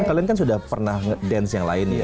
k eden dia juga buat ini